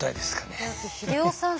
だって英世さん